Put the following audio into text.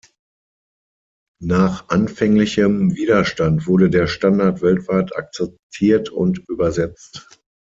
Nach anfänglichem Widerstand wurde der Standard weltweit akzeptiert und übersetzt.